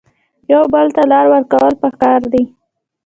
یو بل ته لار ورکول پکار دي